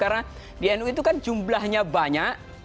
karena di nu itu kan jumlahnya banyak